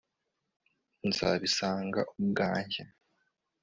nzabisanga ubwanjye